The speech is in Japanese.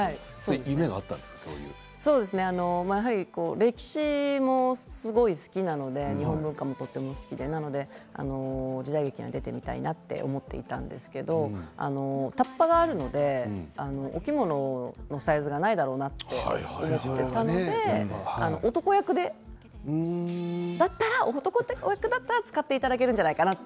歴史もすごい好きなので日本文化もすごい好きで時代劇には出てみたいなと思っていたのでたっぱがあるのでお着物のサイズがないだろうなと思っていたので男役だったら使っていただけるんじゃないかなって。